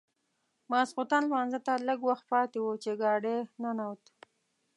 ماخوستن لمانځه ته لږ وخت پاتې و چې ګاډی ننوت.